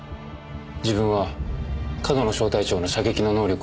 自分は上遠野小隊長の射撃の能力をよく知ってます。